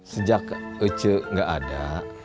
sejak ece gak ada